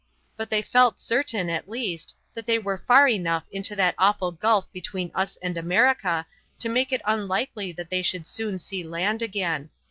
But they felt certain, at least, that they were far enough into that awful gulf between us and America to make it unlikely that they would soon see land again.